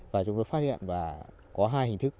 và chúng tôi phát hiện có hai hình thức